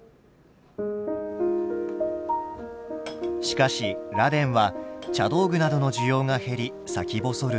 しかし螺鈿は茶道具などの需要が減り先細る